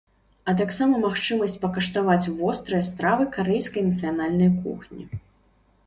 А таксама магчымасць пакаштаваць вострыя стравы карэйскай нацыянальнай кухні.